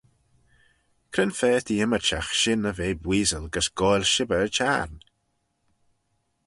Cre'n fa t'eh ymmyrçhagh shin y ve booisal gys goaill shibbyr y çhiarn?